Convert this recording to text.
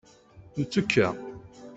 Nettekka.